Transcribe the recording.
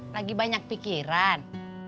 lagi banyak pikiran